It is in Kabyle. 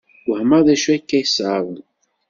Wehmeɣ d-acu akka iṣaṛen!